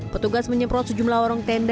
petugas menyemprot sejumlah warung tenda